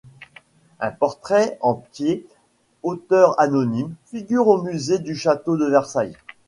Un portrait, en pieds, auteur anonyme, figure au musée du château de Versailles.